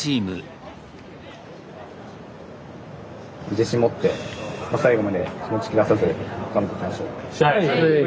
自信持って最後まで気持ち切らさずに頑張っていきましょう。